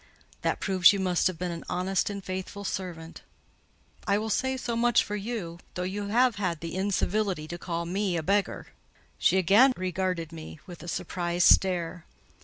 "That proves you must have been an honest and faithful servant. I will say so much for you, though you have had the incivility to call me a beggar." She again regarded me with a surprised stare.